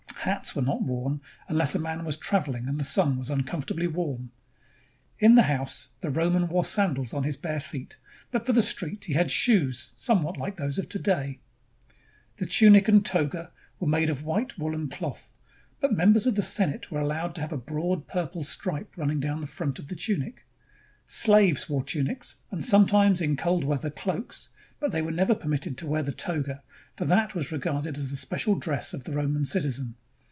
Hats were not worn unless a man was travehng and the sun was uncomfortably warm. In the house the Roman wore sandals on his bare feet, but for the street he had shoes somewhat like those of to day. 326 THE ROMANS OF THE EARLY REPUBLIC The tunic and toga were made of white woolen cloth, but members of the Senate were allowed to have a broad purple stripe running down the front of the tunic. Slaves wore tunics and sometimes, in cold weather, cloaks ; but they were never permitted to wear the toga, for that was regarded as the special dress of the Roman citizen.